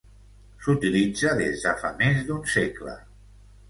S’utilitza des de fa més d’un segle.